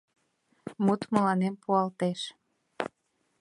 Мут мыланем пуалтеш.